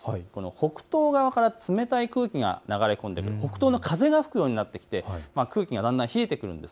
北東側から冷たい空気が流れ込んでくる、北東の風が吹くようになってきて空気がだんだん冷えてきます。